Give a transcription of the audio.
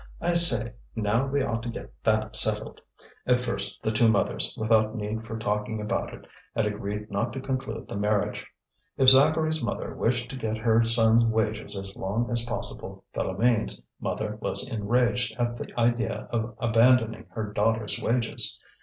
"I say, now we ought to get that settled." At first the two mothers, without need for talking about it, had agreed not to conclude the marriage. If Zacharie's mother wished to get her son's wages as long as possible, Philoméne's mother was enraged at the idea of abandoning her daughter's wages.